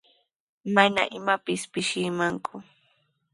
Mana imapis pishimanku.